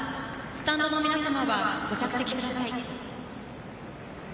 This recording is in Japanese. スタンドの皆様はご着席ください。